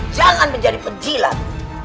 jangan menjadi paham